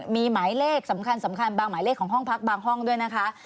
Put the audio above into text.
มีหมายเลขสำคัญบางหมายเลขของห้องพักบางห้องด้วยนะคะ